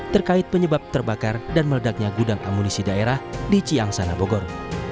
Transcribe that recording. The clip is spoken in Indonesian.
terkait penyebab terbakar dan meledaknya gudang amunisi daerah di ciangsana bogor